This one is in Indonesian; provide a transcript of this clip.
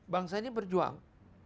bangsa ini berjuang